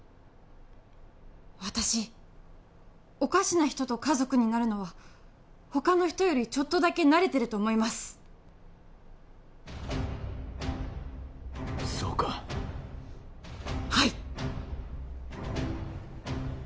私おかしな人と家族になるのは他の人よりちょっとだけ慣れてると思いますそうかはい！